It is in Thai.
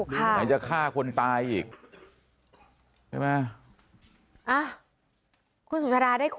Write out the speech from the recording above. ก็ขอโทษจะได้